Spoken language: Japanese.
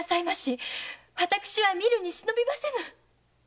私は見るに忍びませぬ！